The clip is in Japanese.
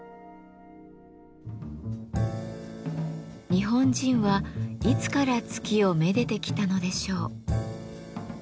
日本人はいつから月をめでてきたのでしょう。